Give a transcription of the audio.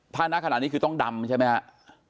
ถ้านักขนาดนี้คือต้องดำใช่ไหมครับ